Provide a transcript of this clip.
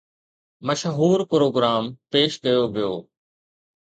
مشهور پروگرام پيش ڪيو ويو